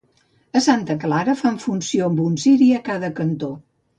A Santa Clara fan funció amb un ciri a cada cantó.